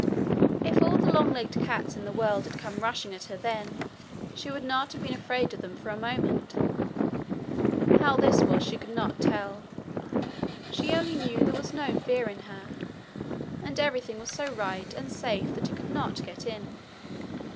If all the long legged cats in the world had come rushing at her then she would not have been afraid of them for a moment. How this was she could not tell she only knew there was no fear in her, and everything was so right and safe that it could not get in.